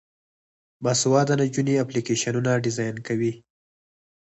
باسواده نجونې اپلیکیشنونه ډیزاین کوي.